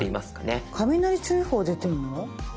雷注意報出てるの？